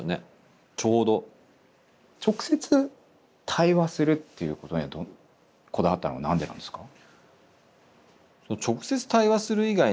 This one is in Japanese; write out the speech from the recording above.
直接対話するっていうことにこだわったのは何でなんですか？